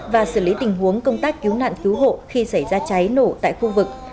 và xử lý tình huống công tác cứu nạn cứu hộ khi xảy ra cháy nổ tại khu vực